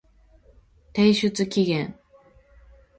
提出期限